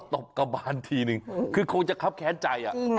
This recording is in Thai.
เนี้ยฟอตบกำบานทีนึงคือคงจะครับแขนใจอ่ะ